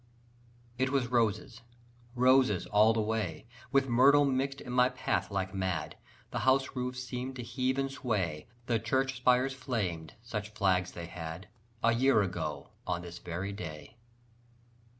It was roses, roses, all the way, With myrtle mixed in my path like mad: The house roofs seemed to heave and sway, The church spires flamed, such flags they had, A year ago on this very day!